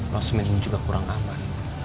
los men ini juga kurang aman